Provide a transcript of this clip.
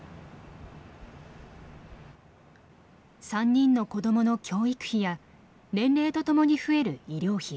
３人の子どもの教育費や年齢とともに増える医療費。